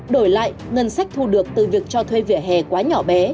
đổi lại ngân sách thu được từ việc cho thuê vỉa hè quá nhỏ bé